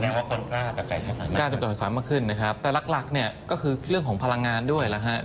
ก็แสดงว่าคนกล้าจะกลายใช้สารมากขึ้นแต่รักเนี่ยก็คือเรื่องของพลังงานด้วยนะครับ